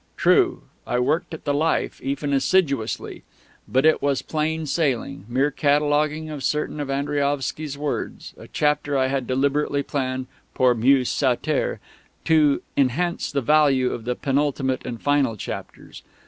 True, I worked at the "Life," even assiduously; but it was plain sailing, mere cataloguing of certain of Andriaovsky's works, a chapter I had deliberately planned pour mieux sauter to enhance the value of the penultimate and final chapters.